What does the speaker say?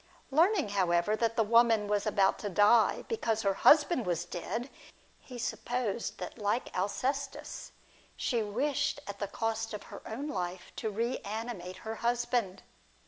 Learning however that the woman was about to die because her husband was dead, he supposed that, like Alcestis, she wished at the cost of her own life to reanimate her husband.